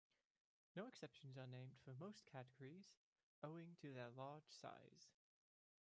No exceptions are named for most categories, owing to their large size.